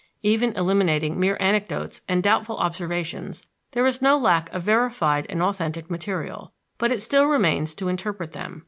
Even eliminating mere anecdotes and doubtful observations, there is no lack of verified and authentic material, but it still remains to interpret them.